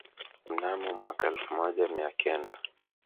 mnamo mwaka elfu moja mia kenda